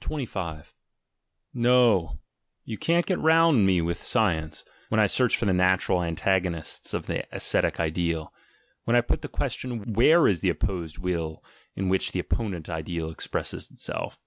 25 Nol You can't get round me with science, when I search for the natural antagonists of the ascetic ideal, when I put the question: "Where is the opposed will in which the opponent ideal expresses itself?"